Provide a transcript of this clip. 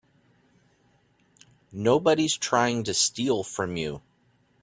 Nobody's trying to steal from you.